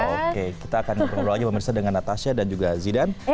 oke kita akan berbicara lagi pak mirsa dengan natasya dan juga zidan